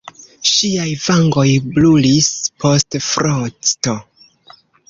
Ŝiaj vangoj brulis post frosto.